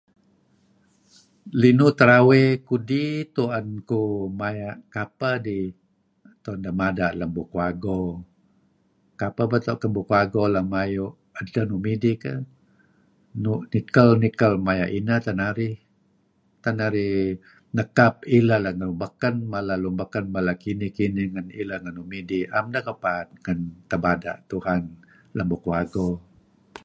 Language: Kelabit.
Linuh terawey kudi... tu'en kuh maya' kapeh dih ... tu'en deh mada' lem bukuh ago. Kapeh beto' ken bukuh ago lem ayu' edteh nuk midih keyh, nu'... nikel-nikel maya' inen teh narih. Tak narih nekap ileh let ngen lun beken mala lun beken mala kinih-kinih ngen ileh ngen nuk midih ... 'em deh kepaad nega tebada' Tuhan lem bukuh ago.